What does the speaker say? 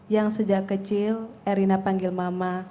yang sejak kecil erina panggil mama